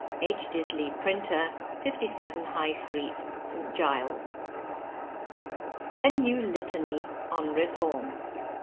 H. Disley, Printer, 57, High Street, St. Giles. A NEW LITANY ON REFORM.